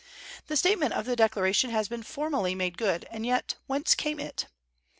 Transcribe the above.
The statement of the Declaration has been formally made good; and yet, whence came it?